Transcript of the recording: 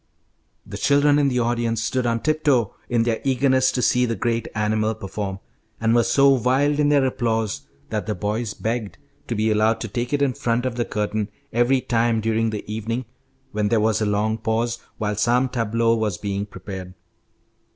The children in the audience stood on tiptoe in their eagerness to see the great animal perform, and were so wild in their applause that the boys begged to be allowed to take it in front of the curtain every time during the evening when there was a long pause while some tableau was being prepared.